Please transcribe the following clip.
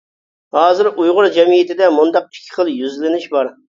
ھازىر ئۇيغۇر جەمئىيىتىدە مۇنداق ئىككى خىل يۈزلىنىش بار.